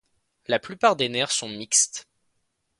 La plupart des nerfs sont mixtes.